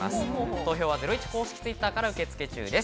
投票はゼロイチ公式Ｔｗｉｔｔｅｒから受け付け中です。